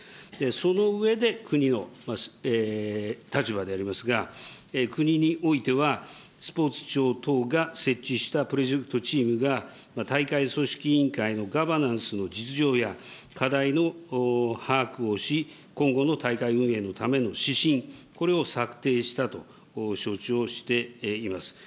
その上で、国の立場でありますが、国においては、スポーツ庁等が設置したプロジェクトチームが大会組織委員会のガバナンスの実情や、課題の把握をし、今後の大会運営のための指針、これを策定したと承知をしています。